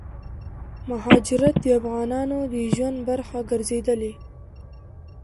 مهاجرت دافغانانو دژوند برخه ګرځيدلې